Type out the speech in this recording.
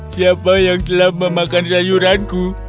siapa yang gelap memakan sayuranku